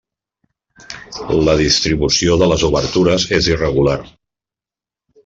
La distribució de les obertures és irregular.